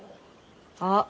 あっ。